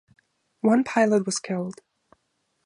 One pilot was killed.